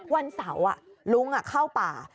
วันเสาร์ลุงเข้าป่า